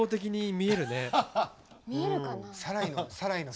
見えるかな。